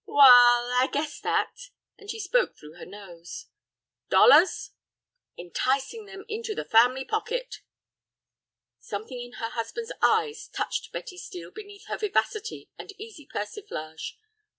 "Waal—I guess that"—and she spoke through her nose. "Dollars?" "Enticing them into the family pocket." Something in her husband's eyes touched Betty Steel beneath her vivacity and easy persiflage.